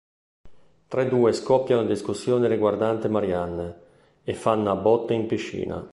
Tra i due scoppia una discussione riguardante Marianne, e fanno a botte in piscina.